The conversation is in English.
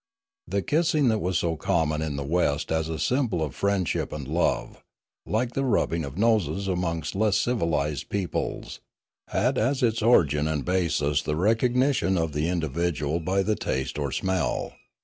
The kissing that was so common in the West as a symbol of friendship and love, like the rub bing of noses amongst less civilised peoples, had as its origin and basis the recognition of the individual by the taste or smell.